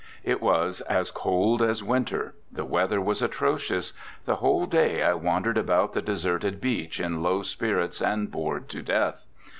It was as cold as winter. The weather was atrocious. The whole day I wandered about the deserted beach in low spirits and bored to death.